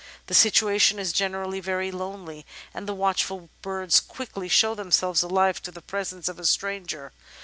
The situation is gen erally very lonely, and the watchful birds quickly show them selves alive to the presence of a stranger.